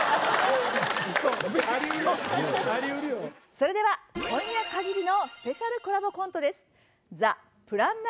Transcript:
それでは今夜限りのスペシャルコラボコントです。